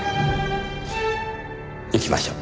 行きましょう。